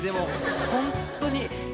本当に。